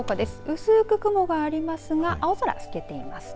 薄く雲がありますが青空すけていますね。